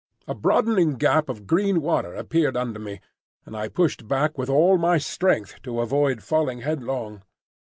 A broadening gap of green water appeared under me, and I pushed back with all my strength to avoid falling headlong.